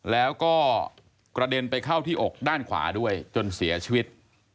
แล้วก็กระเด็นไปเข้าที่อกด้านขวาด้วยจนเสียชีวิต